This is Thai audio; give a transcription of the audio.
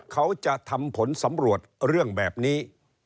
เขาจะทำผลสำรวจเรื่องแบบนี้